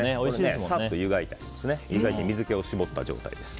さっと湯がいて水気を絞った状態です。